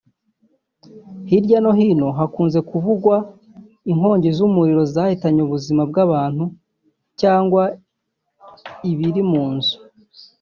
Hirya no hino hakunze kuvugwa inkongi z’umuriro zahitanye ubuzima bwa’abantu cyangwa ibiri mu nzu